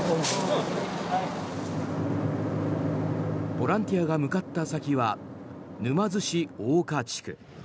ボランティアが向かった先は沼津市大岡地区。